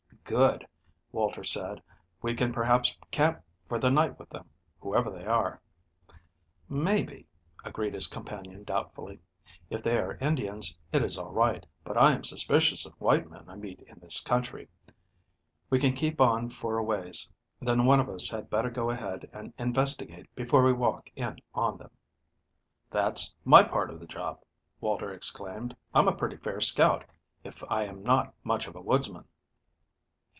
"Good," Walter said. "We can perhaps camp for the night with them, whoever they are." "Maybe," agreed his companion doubtfully. "If they are Indians, it is all right, but I am suspicious of white men I meet in this country. We can keep on for a ways, then one of us had better go ahead and investigate before we walk in on them." "That's my part of the job," Walter exclaimed. "I'm a pretty fair scout, if I am not much of a woodsman."